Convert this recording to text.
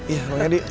iya bang yadi